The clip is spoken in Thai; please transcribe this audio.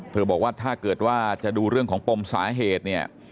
บอกว่าถ้าเกิดว่าจะดูเรื่องของปมสาเหตุเนี่ย